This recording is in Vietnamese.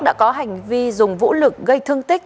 đã có hành vi dùng vũ lực gây thương tích